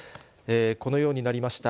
このようになりました。